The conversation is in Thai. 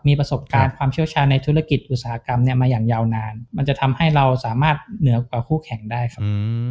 มีประสบการณ์ความเชี่ยวชาญในธุรกิจอุตสาหกรรมเนี่ยมาอย่างยาวนานมันจะทำให้เราสามารถเหนือกว่าคู่แข่งได้ครับ